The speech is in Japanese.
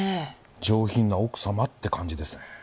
上品な奥様って感じですね。